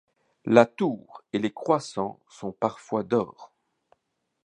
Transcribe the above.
La tour et les croissants sont parfois d'or.